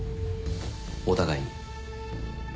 お互いに。